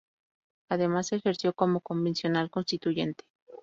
Además ejerció como Convencional Constituyente.